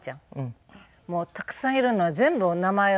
もうたくさんいるのを全部お名前を。